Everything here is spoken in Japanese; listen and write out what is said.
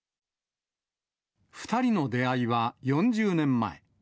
２人の出会いは４０年前。